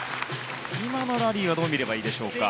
今のラリーはどう見ればいいですか。